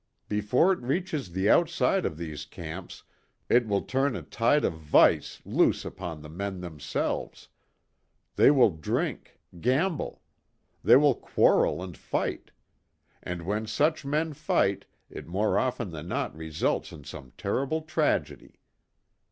Before it reaches the outside of these camps it will turn a tide of vice loose upon the men themselves. They will drink, gamble. They will quarrel and fight. And when such men fight it more often than not results in some terrible tragedy.